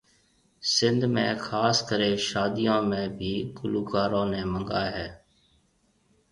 سنڌ ۾ خاص ڪري شاديون ۾ بي گلوڪارون ني منگاوي هي